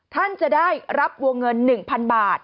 ท่านจะได้รับวงเงิน๑๐๐๐บาท